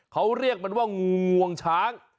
เขาเรียกมันว่างวงช้าง